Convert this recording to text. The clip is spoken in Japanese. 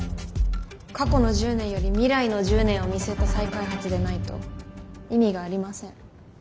過去の１０年より未来の１０年を見据えた再開発でないと意味がありません。